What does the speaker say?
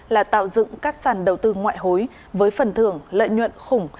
là tạo dựng các sàn đầu tư ngoại hối với phần thưởng lợi nhuận khủng